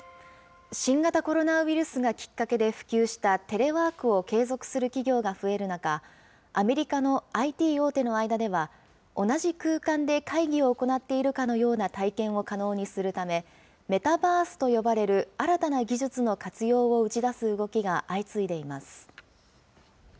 新型コロナウイルスがきっかけで普及したテレワークを継続する企業が増える中、アメリカのＩＴ大手の間では、同じ空間で会議を行っているかのような体験を可能にするため、メタバースと呼ばれる、新たな技術の活用を打ち出す動きが相次いでいます。